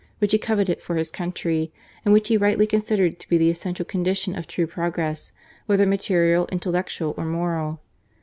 which he coveted for his country, and which he rightly considered to be the essential condition of true progress, whether material, intellectual, or moral.